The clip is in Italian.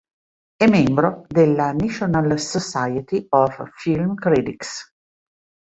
È membro della National Society of Film Critics.